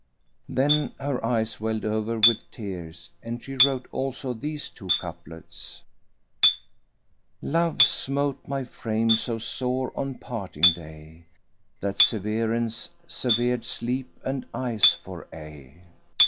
" Then her eyes welled over with tears, and she wrote also these two couplets, "Love smote my frame so sore on parting day, * That severance severed sleep and eyes for aye.